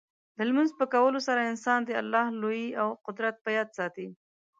د لمونځ په کولو سره انسان د الله لویي او قدرت په یاد ساتي.